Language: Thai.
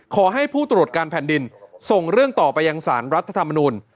ขอให้ผู้ตรวจการแผ่นดินส่งเรื่องต่อไปยังสารรัฐธรรมนูล